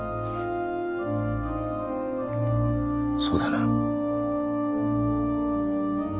そうだな。